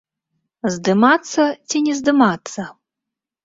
Здымацца ці не здымацца?